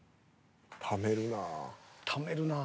ためるなぁ。